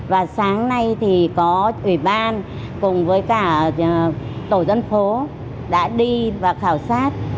và sáng nay thì có ủy ban cùng với cả tổ dân phố đã đi và khảo sát